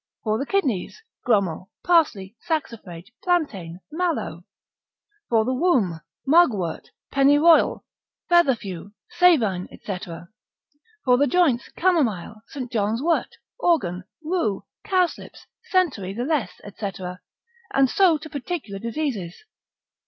For the kidneys, grumel, parsley, saxifrage, plaintain, mallow. For the womb, mugwort, pennyroyal, fetherfew, savine, &c. For the joints, camomile, St. John's wort, organ, rue, cowslips, centaury the less, &c. And so to peculiar diseases.